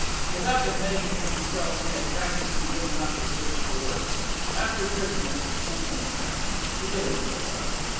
Without admitting it to himself, he had practically given up the search for work. After Christmas something would happen, he didn't know what.